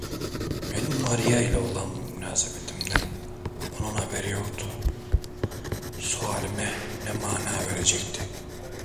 Benim Maria ile olan münasebetimden onun haberi yoktu, sualime ne mana verecekti?